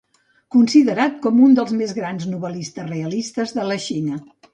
Considerat com un dels més grans novel·listes realistes de la Xina.